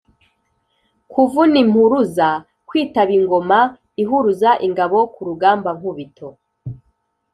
kuvuna impuruza: kwitaba ingoma ihuruza ingabo ku rugamba nkubito: